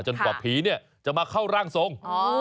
จนกว่าผีจะมาเข้าร่างทรง